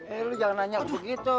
eh lo jangan nanya gue begitu